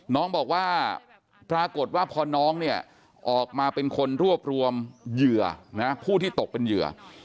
น้องบอกว่าปรากฏว่าพอน้องเนี่ยออกมาเป็นคนรวบรวมเหยื่อผู้ที่ตกเป็นเหยื่อ